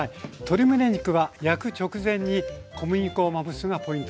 鶏むね肉は焼く直前に小麦粉をまぶすのがポイントでした。